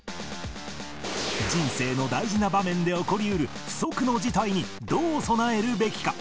人生の大事な場面で起こりうる不測の事態にどう備えるべきか？